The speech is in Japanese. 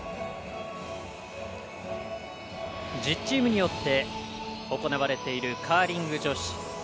１０チームによって行われているカーリング女子。